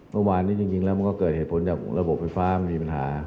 เมื่อวานนี้จริงแล้วมันก็เกิดเหตุผลจากระบบไฟฟ้ามันมีปัญหา